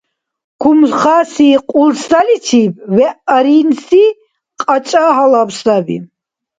Кумхаси кьулсаличиб вeгӀ аринси кӀачӀа гьалаб саби.